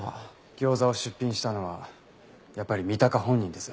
餃子を出品したのはやっぱり三鷹本人です。